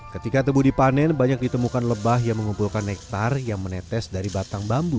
ketika tebu dipanen banyak ditemukan lebah yang mengumpulkan nektar yang menetes dari batang bambu